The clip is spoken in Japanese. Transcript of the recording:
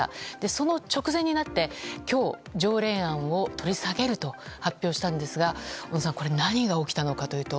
その直前になって今日、条例案を取り下げると発表したんですが小野さん、これ何が起きたのかというと。